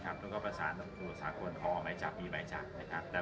เช่นก็เป็นภาษาโดยศาลคนพอไหมจับมีไหมจับ